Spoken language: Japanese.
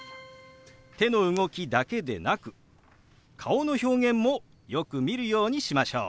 手の動きだけでなく顔の表現もよく見るようにしましょう。